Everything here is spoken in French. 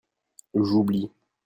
J'oublie.